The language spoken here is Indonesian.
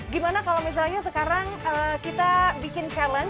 gimana kalau misalnya sekarang kita bikin challenge